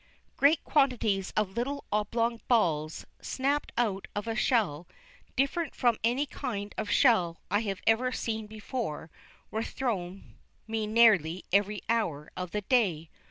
Great quantities of little oblong balls, snapped out of a shell, different from any kind of shell I had ever seen before, were thrown me nearly every hour of the day.